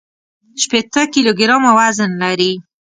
شپېته کيلوګرامه وزن لري.